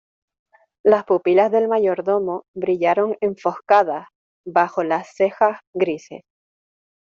las pupilas del mayordomo brillaron enfoscadas bajo las cejas grises: